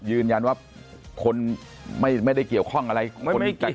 ยืนยันว่าคนไม่ได้เกี่ยวข้องอะไร